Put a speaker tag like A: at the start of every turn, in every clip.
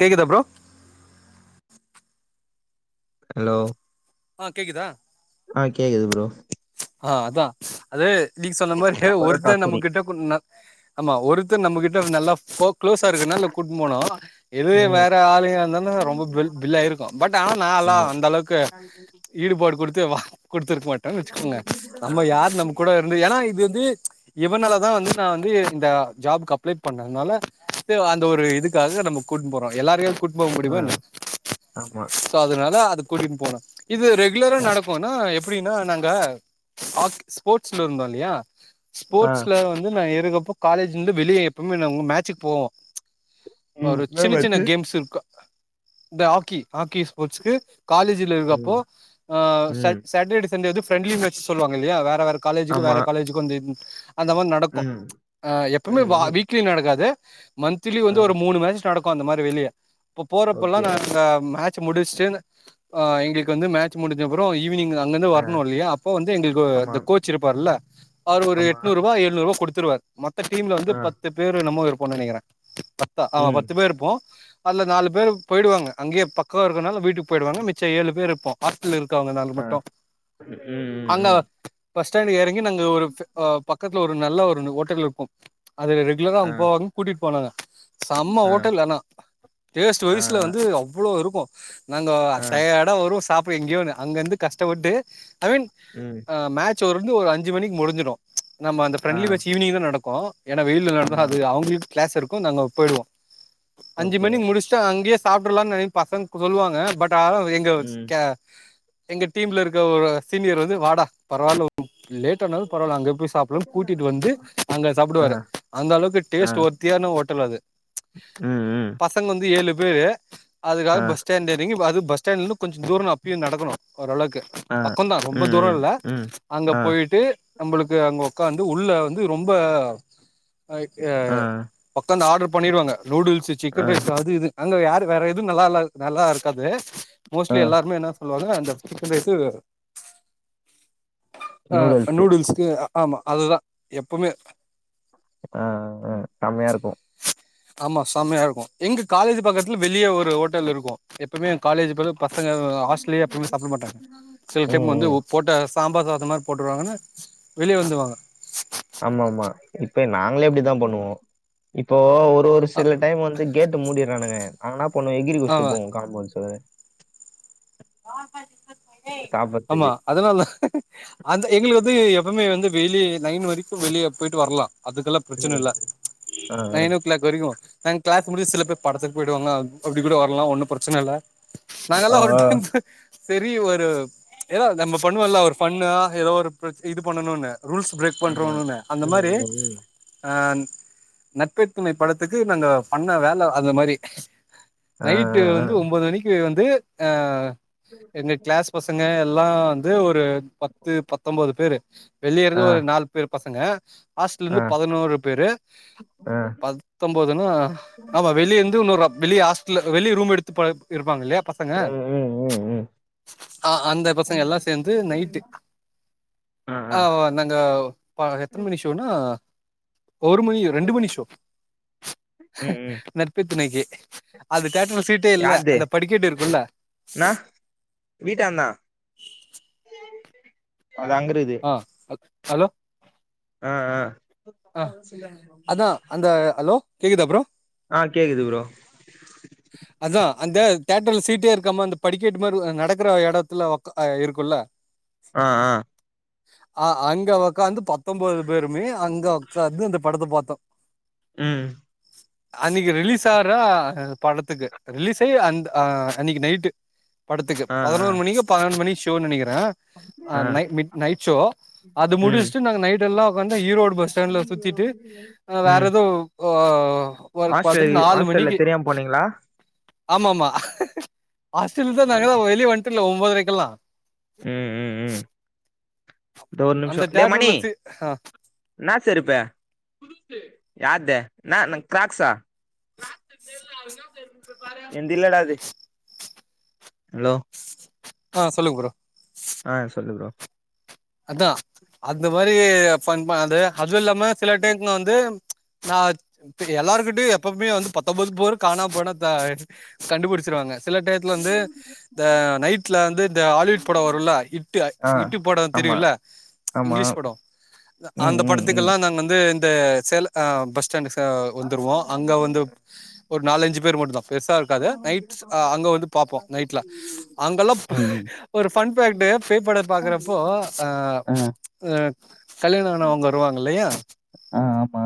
A: கேக்குதா bro
B: hello
A: ஆ கேக்கதா
B: ப்ரோ
A: ஆ அதா அது நீங் சொன்ன மாரி
B: பரோட்டா
A: ஒருத்த நம்ம
B: சூரி
A: கிட்ட கொன்னா ஆமா ஒருத்த நம்மகிட்ட நல்லா கோ குளோஸா இருக்குன்னால்ல கூட் போனோ இதே
B: ம்
A: வேற ஆளுங்க இருந்தன ரொம்ப பெல் பில்லாய்ருக்கு பட் ஆனா நா எல்லா அந்த அளவுக்கு
B: அ
A: ஈடுபாடு கொடுத்து வா கொடுத்துருக்க மாட்டோன் வெச்சுக்கோங்க
B: ஆ
A: நம்ம யார் நம்ம கூட இருந்து ஏன்னா இது வந்து இவனாலதா வந்து நா வந்து இந்த ஜாப்கு அப்ளை பண்ணன்னால அந்த ஒரு இதுக்காக நம்ம கூட் போறோ எல்லாரையு கூட் போ
B: ஆ,
A: முடிமா என்னெ
B: ஆமா
A: சோ அதனால அது கூடின் போன இது ரெகுலரா
B: கரெக்ட்.
A: நடக் குனா எப்படின்னா நாங்க ஹாக்கி ஸ்போர்ட்ஸ்ல இருந்தோ இல்லையா
B: ஆ
A: ஸ்போர்ட்ஸ்ல வந்து நா இருக்கப்போ காலேஜ்ந்து வெளியே எப்பம்மே ந உங்க மேட்சுக் போவோ
B: ம்
A: ஒரு சின்ன சின்ன
B: என்னாச்சு
A: கேம்ஸ் இருக்கு இந்த ஹாக்கி ஹாக்கி ஸ்போர்ட்ஸ்கு காலேஜ்ல இருக்க போ
B: ம்
A: ஆ சே
B: ம்
A: சேட்டர்டே சண்டே வந்து ஃப்ரண்லீன் வெச் சொல்லாங்க இல்லையா வேற வேற காலேஜ்க்கு வேற
B: ஆமா
A: காலேஜ் குதின் அந்த மார் நடக்கு
B: ம்
A: ஆ எப்பம்மே
B: ம்
A: வா
B: ம்
A: வீக்லி நடக்காது மந்த்லி வந்து
B: ஆ
A: ஒரு மூணு மேச் நடக்கு அந்த மாரி வெளியே இப்ப போறப்பல்லா
B: ஓகே
A: நாங்க மேச் முடிச்சுட்டு் ஆ எங்களுக்கு வந்து மேச் முடிஞ்ச அப்புற ஈவினிங்க அங்கந்து
B: ஆ
A: வரணு இல்லையா அப்போ வந்து எங்களுக்கு
B: ஆமா
A: இந்த கோச் இருப்பாருல்ல அவர் ஒரு
B: ஆமா
A: எட்நூறுரூபா எழுநூறுரூபா குடுத்துருவார் மத்த டீம்ல வந்து
B: ஆ
A: பத்து பேரு நம்ம இருப்போம்னு நினைக்கிறே பத்த ஆ
B: ம்
A: பத்து பேர் இருப்போ அதுல நாலு பேர் போயிடுவாங்க அங்கேய பக்க இருக்கிறனால வீட்டுக்கு போயிடுவாங்க மிச்சம் ஏழு பேர் இருப் ஹாஸ்டல் ல இருக்கவங்கனாலு
B: ஆ
A: மொத்தம்
B: ம் ம்
A: அங்க
B: ம்
A: பஸ் ஸ்டாண்டு இறங்கி நாங்க ஒரு ஆ பக்கத்துல ஒரு நல்ல ஒரு ஓட்டல் இருக்கு அதுல இரு இத தா
B: ஆ
A: போனு கூட்டிட்டு போவாங்க செம்ம
B: ஆ
A: ஹோட்டல்னா டேஸ்ட்
B: ஆ
A: வரிசுல
B: ஆ
A: வந்து அவ்வளவு இருக்கு நாங்க
B: ஆ
A: தய வரும் சாப்பிட எங்கயோ அங்க இருந்து கஷ்டப்பட்டு ஐ மீன்
B: ம்
A: மேச் ச் வந்து ஒரு அஞ்சு மணிக்கு முடிஞ்சிடு நம்ம அந்த
B: ஆ
A: பிரெண்லி மேச் ஈவினிங் தா நடக்கு ஏன்னா வெயில நடந்த
B: ஆமா
A: அது அவங்களுக்கு கிளாஸ் இருக்கு நாங்க போயிடுவோ அஞ்சு
B: ஓகே
A: மணிக்கு முடிச் ட்டு அங்கேயே சாப்பிடலாம்னு நின பசங்க சொல்லுவாங்க பட் அத எங்கல்ஸ்
B: ம்
A: ஆ எங்க டீம்ல இருக்கிற ஒரு சீனியர் வந்து வாடா பரவாயில்ல லேட் த்த நாலு பரவல அங்க சாப்பிட கூட்டிட்டு வந்து அங்க
B: ஆ
A: சாப்பிடுவாரு அந்த அளவு
B: ஆ
A: டேஸ்ட் ஒரு தியானம் ஓட்டல் அது
B: ம் ம்
A: பசங்க வந்து ஏழு பேரு அதுக்காக
B: ஆ
A: பஸ் பஸ் ஸ்டாண்ட்ல இறங்கி து பஸ்டண்டலந்து கொஞ்ச தூர அப்பயு நடக்கனு ஓரளவுக்கு த்து
B: ஆ
A: பக்கம் தா ரொம்ப
B: ம்
A: தூரம்
B: ம்
A: இல்ல
B: ம்
A: அங்க
B: ஆ
A: போயிட்டு நம்மளுக்கு அங்க உக்காந்து உள்ள வந்து ரொம்ப ஆ ஆ உக்காந்து ஆடர் பண்ணிடுவாங்க நூடுல்ஸ்
B: ஆ
A: சிக்கன் ரைஸ் அது இது அங்க யாரு வேற எதுவு நல்லா நல்லா இருக்காது மோஸ்ட்லி எல்லாருமே என்ன சொல்லுவ அந்த சிக்கன் ரைஸ்சு ஆ
B: நூடுல்ஸு
A: நூடுல்ஸ்கு அ ஆமா அதுதா எப்பவுமே
B: ஆ ஆ கம்மியா இருக்கு
A: [inaudible] ஆமா செம்மையா இருக்கு எங்க காலேஜ் பக்கத்துல வெளிய ஒரு ஹோட்டல் இருக்கு எப்பவுமே காலேஜ் பிர பசங்ககள் ஹாஸ்டல்லையே எப்போமே சாப்பிட மாட்டாங்க சில டைம்
B: ம்
A: வந்து
B: ம்
A: போட்ட சாம்பார் சாத மாரி போட்டுருவாங்கன்னு வெளிய வந்துவாங்க
B: ஆமா ஆமா இப்ப நாங்களே இப்டித்தா பண்ணுவோ இப்போ ஒரு இப்ப ஒரு
A: ஆ
B: சில டைம் வந்து கேட்டு மூடிறானுங்க ஆனா போணு எகிரி குச்சிட்டு
A: ஆமா
B: போவோ காமெண்ட்ஸ்சுவர்
A: ஆமா
B: சாப்பறதுக்கு
A: அதனால அத எங்களுக்கு வந்து எப்பவுமே வந்து வெளிய நைன் வரைக்கு வெளிய போயிட்டு வரலா அதுக்கெல்லா பிரச்சன
B: ம்
A: இல்ல
B: ஆ ஆ
A: நைன் ஓ கிளாக் தெரியு நாங்க கிளாஸ் முடிச்சு சில பேர் படத்துக்கு போயிருவாங்க அப்டி கூட வரலா ஒன்னும் பிரச்சன இல்ல நாங்கெல்லா
B: ஆ
A: ஒரு
B: ஆ.
A: டைம்பு செரி ஒரு ஏதா நம்ம பண்ணுவல்ல ஒரு ஃபண்ணா ஏதோ ஒரு இது பண்ணணும்னு ரூல்ஸ் பிரேக்
B: ஆமா
A: பண்றோனுனு அந்த
B: ம்
A: மாரி
B: ம் ம்
A: அ நட்பே துணை படத்துக்கு நாங்க பண்ண வேல அந்த மாரி
B: ஆ
A: நைட்டு
B: ஆ
A: வந்து ஒம்பது மணிக்கு வந்து அ எங்க கிளாஸ் பசங்க எல்லா வந்து ஒரு பத்து பத்தொம்பது பேர் வெளிய இருந்து
B: ஆ
A: ஒரு நாலு பேர் பசங்க ஹாஸ்ட்டல
B: ஆ
A: இருந்து
B: ஆ
A: பதினோரு பேரு
B: ஆ
A: பது பத்தொம்பதுன்ன ஆமா வெளிய இருந்து இன்னொரு வெளிய ஹாஸ்ட்டல வெளி ரூம் எடுத்து இருப்பாங்க இல்லயா பச
B: அ அ [unintelligible]
A: ஆ அந்த பசங்க எல்லா சேந்து நைட்டு ஆ நாங்க ப எத்தன மணி ஷோ னா ஒரு மணி ரெண்டு மணி ஷோ
B: ம் ம்
A: பெத்துனைக்கு அது கேட்டன சீட்டே இல்ல அந்த படிக்கெட்டு இருக்குல்ல
B: என வீட்டாந்த அது அங்கிருகுது
A: ஆ ஹலோ
B: அ அ
A: அ அதா அந்த ஹலோ கேக்குதுதா ப்ரோ
B: ஆ கேக்குது ப்ரோ
A: அதா அந்த தேட்டர்ல சீட்டே இருக்காம அந்த படிக்கெட்டு மாரி நடக்கற எடத்துல அ இருக்குல்ல
B: அ அ
A: அ அங்க வொக்காந்து பத்தொம்பேது பேருமே அங்க வொக்காந்து அந்த படத்த பாத்தோ
B: ம்
A: அன்னைக்கு ரிலீஸ் ஆற அந்த படத்துக்கு ரிலீஸ் ஆயி அந்த அன்னைக்கு நைட்டு படத்துக்கு
B: ஆ ஆ
A: பதுனொரு மணிக்கு பன்னண்டு மணி ஷோன்னு நெனைக்கிறே
B: ஆ
A: நைட் மிட் நைட்ஷோ அது
B: ம்
A: முடிச்சுட்டு நாங்க நைட் எல்லா வொக்காந்து ஈரோடு டேன்ல சுத்திட்டு வேற
B: ம்
A: எதோ ஒ ஒர்க்
B: ஹாஸ்டல்
A: பாத்துட்டு நாலு
B: ஹாஸ்டல்ல
A: மணிக்கு
B: தெரியாம போனீங்களா
A: ஆமாமா ஆஸ்டல் தா நாங்கதா வெளிய வன்ட்டோல ஒம்பதரைக்கெல்லா
B: ம் ம் ம் இந்த ஒரு நிம்சோ
A: அந்த
B: டே மணி
A: தியேட்டர்ல சீ ஆ
B: என்னா செருப்பு யார்து என்னா ந கிராக்ஸா எந்திலடா அது ஹலோ
A: ஆ சொல்லுங் ப்ரோ
B: ஆ சொல்லு ப்ரோ
A: அதா அந்த மாரி ஃபண் மா அது அதும் இல்லாம சில டைம்ல வந்து நா இப்ப எல்லாருகிட்டயு எப்பமே வந்து பத்தொம்பது போரு காணா போனா த கண்டுபிடிச்சுருவாங்க சில டயத்துல வந்து த நைட்ல வந்து இந்த ஆலிவிட் படோ வருல இட்டு
B: ஆ
A: இட்டு படம்
B: ஆமா
A: தெரியுல
B: ஆமா
A: இங்கிலீஷ் படோ
B: ம்
A: அந்த
B: ம் ம்
A: படத்துக்கெல்லா நாங்க வந்து இந்த சேலத் அ பஸ் ஸ்டாண்டுக்கு ச வந்துடுவோ அங்க வந்து ஒரு நாலஞ்சு பேர் மட்டும்தா பெர்சா இருக்காது நைட்ஸ் அங்க வந்து பாப்போ நைட்ல அங்கெல்லா
B: ம் ம்
A: ஒரு பன் பேக்ட்டு பே படர் பாக்குறப்போ ஆ அ கல்யாண ஆனவங்க வருவாங்க இல்லையா
B: ஆ ஆமா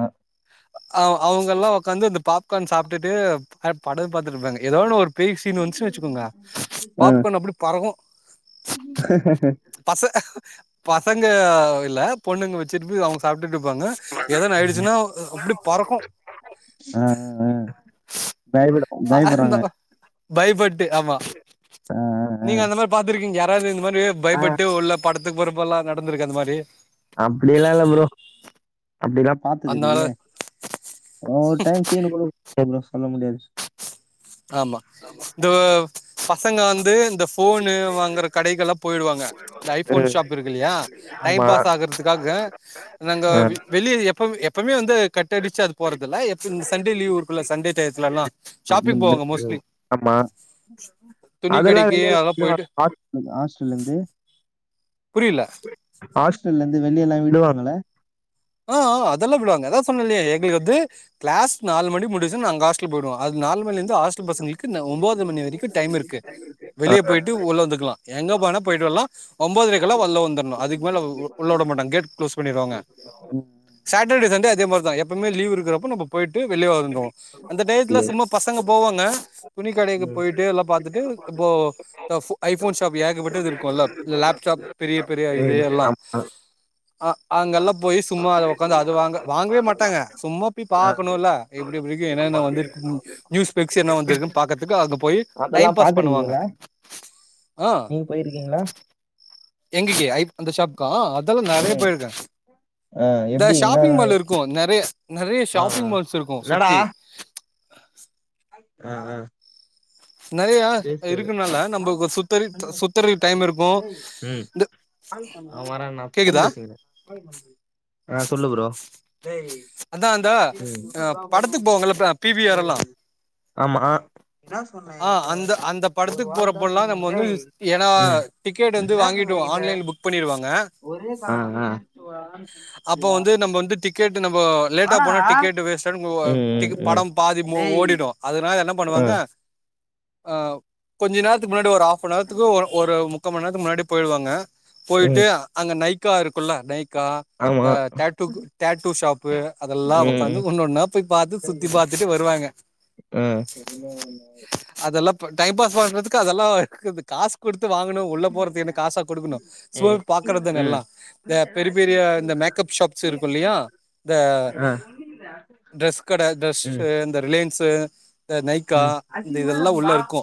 A: அ அவங்கல்லா உக்காந்து இந்த பாப்கார்ன் சாப்ட்டுட்டு [unintelligible] படம் பாத்துடு இருப்பாங்க ஏதோன்னு ஒரு பேய் சீனு வந்துச்சுன்னு வச்சுக்கோங்க
B: ம்
A: பாப்கோர்ன் அப்டி பறகோ பச பசங்க இல்ல பொண்ணுங்க வச்சுட்டு போய் அவ்ங்க சாப்ட்டுட்டு இருப்பாங்க எதன ஆயிடுச்சுன்னா அப்டி பறக்கூ
B: ஆ ஆ [unintelligible]
A: அ அந்த பயப்பட்டு ஆமா
B: ஆ ஆ
A: நீங்க அந்த மாரி பாத்துருக்கீங்க யாராவது இந்த மாரியே
B: ஆ
A: பயப்பட்டு உள்ள படத்துக்கு பொறப்ப எல்லா நடந்திருக்கு இந்த மாதிரி
B: அப்டியலா இல்ல ப்ரோ அப்டிலா பாத்தது
A: அதனால
B: இல்லையே ஒரு டைம் சீனு [unintelligible] சொல்ல முடியாது
A: ஆமா இந்த பசங்க வந்து இந்த ஃபோனு வாங்கற கடைகளா போயிடுவாங்க இந்த ஐ ஃபோன்
B: ம்
A: ஷாப் இருக்கு இல்லையா டைம்
B: ஆமா
A: பாஸ் ஆகறதுக்காக நாங்க
B: ஆ
A: வீ வெளிய எப்போ எப்பவுமே வந்து கட்டடிச்சி அது போறதில்ல எப்போ இந்த சண்டே லீவ் இருக்குல்ல சண்டே டயத்துல எல்லா
B: [unintelligible] ஆமா
A: துணி
B: அதெல்லா
A: கடைக்கு
B: வெளிய [unintelligible]
A: அதெல்லா போயிட்டு
B: நீங்க ஹாஸ்ட்டலந்து
A: புரியல
B: ஹாஸ்டலந்து வெளியெல்லா விடுவாங்கள
A: ஆ ஆ அதெல்லா விடுவாங்க அதா சொன்ன இல்லையா எங்களுக்கு வந்து கிளாஸ் நாலு மணி முடிச்சி நாங் காஸ் டல் போய்டுவோ அது நாலு மணிலந்து ஹாஸ்டல் பசங்களுக்கு ஒம்போது மணி வரிக்கு டைம் இருக்கு வெளிய போயிட்டு உள்ள வந்துக்கலா எங்க போனனா போயிட்டு வர்லா ஒம்போதரைக்கெல்லா ஒள்ள வந்தர்னு அதுக்கு மேல உ உள்ள வுட மாட்டங் கேட் க்ளோஸ் பண்ணிருவாங்க
B: ம்
A: சாட்டர்டே சண்டே அதே மாரி தா எப்பவுமே லீவ் இருக்கறப்ப நம்ம போய்ட்டு வெளிய வந்துருவோ அந்த
B: ஓகே
A: டயத்துல சும்மா பசங்க போவாங்க துணி கடைக்கு
B: ம்
A: போய்ட்டு எல்லா பாத்துட்டு இப்போ த ஃபு ஐ ஃபோன் ஷாப் ஏகப்பட்டது இருக்குல்ல லே லேப்டாப் பெரிய பெரிய இது
B: ம்
A: எல்லா
B: ஆமா
A: அ அங்கெல்லா போய் சும்மா அத ஒக்காந்து அது வாங்க வாங்வே மாட்டாங்க சும்மா பி
B: ஆ
A: பாக்கனுல்ல எப்டி எப்டிருக்கு என்னென்ன
B: ஆமா
A: வந்திருக்கும் நியூ ஸ்பெக்ஸ் என்ன வந்திருக்கு பாக்கறதுக்கு அங்க போய்
B: அதெல்லா
A: டைம் பாஸ் பண்ணுவாங்க
B: பாத்துருக்கீங்களா
A: ஆ
B: நீங்க போயிருக்கீங்களா
A: எங்க ஜி ஐ அந்த ஷாப்கா ஆ அதெல்லா நெறைய
B: ம்
A: போய்ருக்கே
B: ஆ
A: இந்த
B: எப்டி என்ன
A: ஷாப்பிங் மால் இருக்கு நெறைய நெறைய
B: ஆ ஆ
A: ஷாப்பிங் மால்ஸ் இருக்கு
B: என்னடா
A: சுத்தி
B: ஆ ஆ
A: நெறையா
B: பேசுறது
A: இருக்கனால நம்ப கோ சுத்தறி சுத்தறி டைம் இருக்கு
B: ம்
A: இந்த கேக்குதா
B: ஆ சொல்லு ப்ரோ
A: அதா அந்த
B: ம்
A: அ படத்துக் போவாங்கல்ல ப பி வி ஆர் எல்லா
B: ஆமா
A: ஆ அந்த அந்த படத்துக்கு போறப்பல்லா நம்ம வந்து ஏனா
B: ம்
A: டிக்கெட் வந்து
B: என்னா சொன்னே
A: வாங்கிட்டோ
B: என்கிட்ட
A: ஆன்லைன்ல புக் பண்ணிருவாங்க
B: ஒரே கால் ஆ ஆ
A: அப்போ வந்து நம்ப வந்து டிக் டிக்கெட் நம்போ லேட்டா போனா டிக்கெட் வேஸ்ட் ஆய்டு போ ஒ
B: ம் ம்
A: டிக்கு
B: ம்
A: படம் பாதி மோ ஓடிடு அதனால என்ன
B: ஆ
A: பண்ணுவாங்க அ கொஞ்ச நேரத்துக்கு முன்னாடி ஒரு ஹாஃப்னாருத்துக்கு ஒரு ஒரு முக்கா மண் நேரத்துக்கு முன்னாடி போய்டுவாங்க போயிட்டு
B: ம்
A: அங்க நைக்கா இருக்குல்ல நைக்கா இந்த
B: ஆமா
A: டேடூக்கு டேட்டூ ஷாப்பு அதெல்லா
B: ம் ம்
A: ஒக்காந்து ஒன்னொன்னா போய் பாத்து சுத்தி பாத்துட்டு வருவாங்க
B: அ
A: அதெல்லா ப டைம் பாஸ் பண்றதுக்கு அதெல்லா இருக்குது காசு குடுத்து வாங்கணு உள்ள போறதுக் என்ன காசா குடுக்கனு சும்மாவே பாக்றதான
B: ம்
A: எல்லா இந்த பெரிய பெரிய இந்த மேக்கப் ஷாப் சு இருக்கு இல்லையா இந்த
B: ஆ
A: டிரெஸ் கட டிரெஸு
B: ம் ம்
A: இந்த ரிலேன் சு இந்த நைக்கா இந்த இதெல்லா உள்ள இருக்கு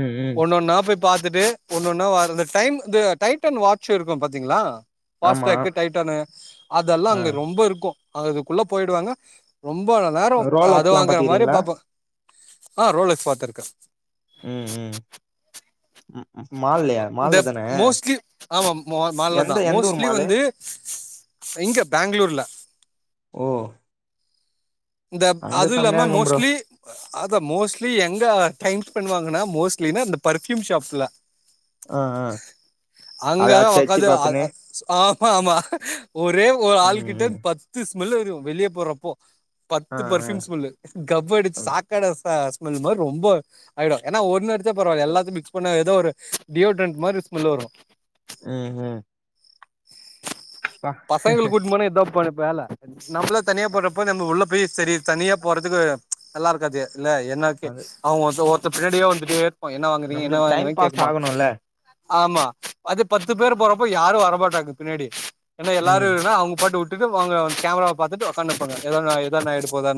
B: ம் ம்
A: ஒன்னொன் னா போய் பாத்துட்டு ஒன்னொன்னா வரது இந்த டைம் து டைடன் வாட்ச் இருக்கு பாத்தீங்ளா
B: ஆமா
A: பாஸ்டிராக்கு டைட்டனு அதெல்லா
B: ஆ
A: அங்க ரொம்ப இருக்கு அதுக்குள்ள போய்டுவாங்க ரொம்ப நேரோ அது
B: ரோலக்ஸ்லா
A: வாங்கற மாரி
B: பாத்துக்கிறீங்களா
A: பாப்போ ஆ ரோலக்ஸ் பாத்துருக்கே
B: ம் ம் ம் ம் மால்ல
A: இந்த
B: தான
A: மோஸ்ட்லி ஆமா மோ மால்ல தா
B: எந்த எந்த ஊர்
A: மோஸ்ட்லி
B: மாலு
A: வந்து இங்க பேங்களூர்ல
B: ஓ
A: இந்த
B: அங்க
A: அது
B: செம்மையா
A: இல்லாம
B: இருக்கு ப்ரோ
A: மோஸ்ட்லி அதா மோஸ்ட்லி எங்க டைம் ஸ்பெண்ட் வாங்கனா மோஸ்ட்லினா இந்த பர்ஃப்யூம் ஷாப்ஸ்ல
B: ஆ ஆ அத
A: அங்கதா
B: அச்சு அச்சு
A: உக்காந்து அ
B: பாத்துன்னு
A: அத் ஆமா ஆமா ஒரே ஒரு
B: ம் ம்
A: ஆளுக்கிட்டருந்து பத்து ஸ்மெல் வரு வெளிய போறப்போ
B: ஆ
A: பத்து
B: ஆ
A: பர்ஃயூம் ஸ்மெல்லு கப் அடிச்சு சாக்காட சா ஸ்மெல் மாரி ரொம்ப ஆயிடு ஏனா ஒன்னடுச் சா பரவால்ல எல்லாத்தையு மிக்ஸ் பண்ண ஏதோ ஒரு டியோ ட்ரெண்ட் மாரி ஸ்மெல் வரு
B: ம் ம் பா
A: பசங்கள கூட்னு போனா இதா பண்ணுப்பல நம்மளா தனியா போறப்போ நம்ம உள்ள போயி செரி தனியா போறதுக்கு நல்லா இருக்காது இல்ல என்னக்கே
B: அது
A: அவங்க ஒரு ஒருத்த பின்னாடியே வந்துட்டேருப்பா என்ன வாங்குறீங்க என்ன
B: நம்மளுக்கு டைம்
A: வாங்குறேனு
B: பாஸ்
A: கேட்பான்
B: ஆகணுல்ல
A: ஆமா அதுபத்து பேர் போறப்ப யாரு வரமாட்டாங்க பின்னாடி ஏனா
B: ம்
A: எல்லாருனா அவங்க பாட்டு வுட்டு ட்டுங்க போங்க கேமராவ ப பாத்துட்டு ஒக்கானுப்பாங்க எத நடு போதா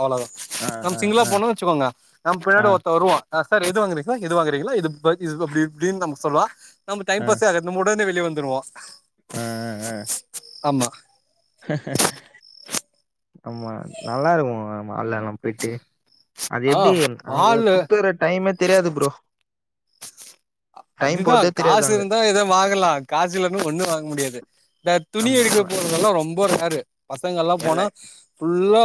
A: அவ்வளவுதா
B: ஆ
A: நம்ம
B: ஆ
A: சிங்களா
B: ஆ
A: போனு வச்சுக்கோங்க நம்ம
B: ஆ ஆ
A: பின்னாடி ஒருத்த வருவா சார் எது வாங்குறீங்க சார் எது வாங்கறீங்களா இது இ இப்படின்னு நம சொல்லுவா நம்ம டைம் பாஸே ஆ நம்ம உடனே வெளியே வந்துடுவோ
B: அ அ அ
A: ஆமா
B: ஆமா நல்லா இருக்கு மாலெல்லா போயிட்டு அது
A: ஆ
B: எப்டி அங்க
A: மாலு
B: சுத்துற டைமே தெரியாது ப்ரோ டைம்
A: அதுதா
B: போறதே தெரியாது
A: காசு
B: அங்க
A: இருந்தா ஏதுவு வாங்கலா காசு இல்லைன்னு ஒண்ணு வாங்க முடியாது துணி
B: ஆமா
A: எடுக்க
B: ஆமா
A: போறதெல்லா ரொம்ப ரேரு பசங்க எல்லா
B: எல்ல
A: போனா ஃபுல்லா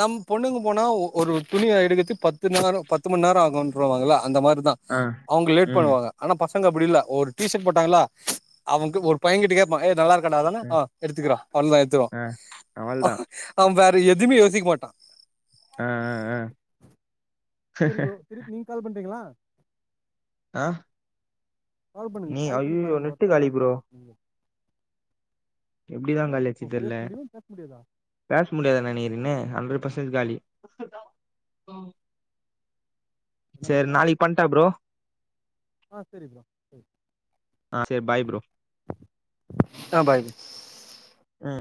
A: நம் பொண்ணுங்க போனா ஒரு துணிய எடுக்கத்து பத்து நேரோ பத்து மண் நேரோ ஆகனுருவாங்கள அந்த மாரிதா
B: ஆ
A: அவங்க லேட்
B: ம்
A: பண்ணுவாங்க ஆனா பசங்க அப்டி இல்ல ஒரு டீஷர்ட் போட்டாங்களா அவங்க ஒரு பையங்கிட்ட கேட்பான் ஏ நல்லா இருக்காடா
B: ம்
A: அ எடுத்துக்கடா அவ்ளோதா எட்த்துக்கோ
B: ஆ அவள்தா
A: அவ வேற எதுவுமே யோசிக்க மாட்டான்
B: அ அ அ
A: செரி ப்ரோ திருப்பி நீங்க கால் பண்றீங்களா
B: அ
A: கால் பண்ணுங்க கால் பண்ணி பாருங்க
B: நெட்டு காலி
A: ஒர்காவுதா
B: ப்ரோ
A: பாருங்க நீங்க
B: எப்டிதா காலியாச்சித்தெர்ல
A: பேச முடியுமா பேச முடியாதா
B: பேச முடியாது நெனைக்கிறேனே ஹண்ட்ரட் பெர்ஸ்ன்ட் காலி
A: என்ன
B: செரி
A: பண்லா
B: நாளைக்கு பண்டா ப்ரோ
A: ஆ செரி ப்ரோ
B: ஆ செரி பாய் ப்ரோ
A: ஆ பாய் ப்ரோ